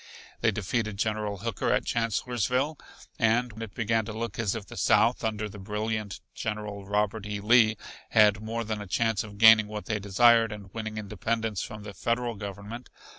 They defeated General Hooker at Chancellorsville, and it began to look as if the South, under the brilliant General, Robert E. Lee, had more than a chance of gaining what they desired, and winning independence from the Federal Government.